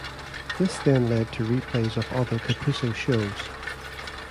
This then led to replays of other Kapuso shows.